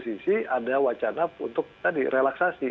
sisi ada wacana untuk tadi relaksasi